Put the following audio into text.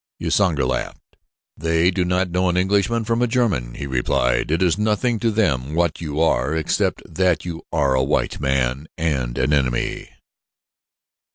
Usanga laughed. "They do not know an Englishman from a German," he replied. "It is nothing to them what you are, except that you are a white man and an enemy."